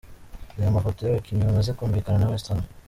Reba amafoto y’abakinnyi bamaze kumvikana na Westham:.